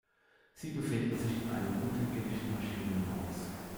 Sie befinden sich in einem unterirdischen Maschinenhaus.